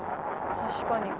確かに。